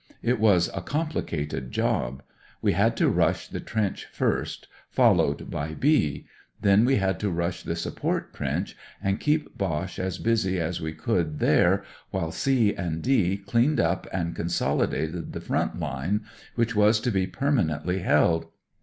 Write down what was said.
It was a complicated job. We had to rush the trench first, followed NEWS FOR HOME O.C. QOMPANY 149 Jl by * B *; then we had to rush the support trench and keep Boche as busy as we could there, while * C ' and * D ' cleaned up and consolidated the front line, which was to be ^'^rrconently held.